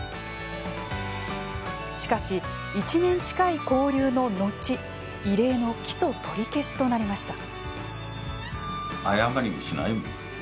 しかし、１年近い勾留の後異例の「起訴取り消し」となりました。